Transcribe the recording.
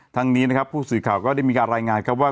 ทั้งนี้นะครับผู้สื่อข่าวก็ได้มีการรายงานครับว่า